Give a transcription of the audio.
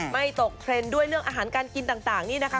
ไม่ตกเทรนด์ด้วยเรื่องอาหารการกินต่างนี่นะคะ